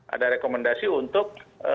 ada rekomendasi untuk